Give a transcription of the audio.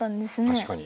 確かに。